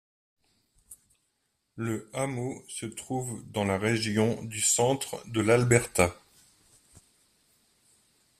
Le hameau se trouve dans la région du centre de l'Alberta.